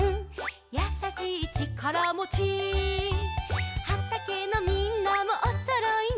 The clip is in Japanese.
「やさしいちからもち」「はたけのみんなもおそろいね」